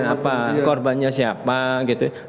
apa korbannya siapa gitu ya